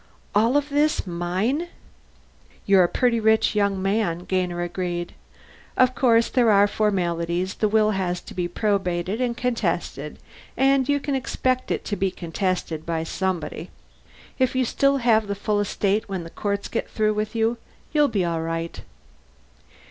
"All of this is mine?" "You're a pretty rich young man," Gainer agreed. "Of course, there are formalities the will has to be probated and contested, and you can expect it to be contested by somebody. If you still have the full estate when the courts get through with you, you'll be all right."